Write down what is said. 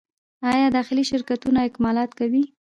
آیا داخلي شرکتونه اکمالات کوي؟